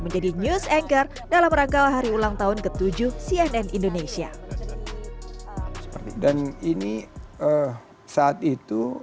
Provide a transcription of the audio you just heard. menjadi news anchor dalam rangka hari ulang tahun ke tujuh cnn indonesia dan ini saat itu